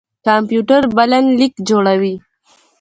کمپيوټر بلنليک جوړوي.